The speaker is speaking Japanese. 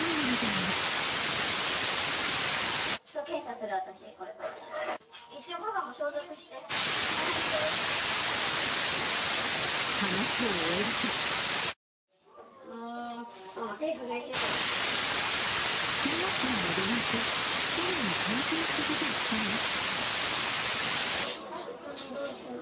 話を終えると小学校にも電話し、２人が感染したことを伝えます。